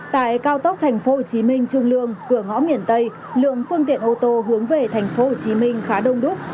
tại cao tốc tp hcm trung lương cửa ngõ miền tây lượng phương tiện ô tô hướng về tp hcm khá đông đúc